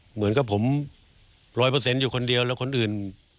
เหมือนกับผมร้อยเปอร์เซ็นต์อยู่คนเดียวแล้วคนอื่น